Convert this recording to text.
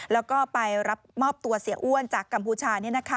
แล้วก็ไปรับมอบตัวเสียอ้วนจากกัมพูชา